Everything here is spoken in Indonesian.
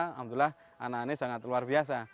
alhamdulillah anak anak ini sangat luar biasa